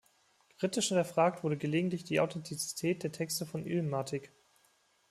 Kritisch hinterfragt wurde gelegentlich die Authentizität der Texte von "Illmatic".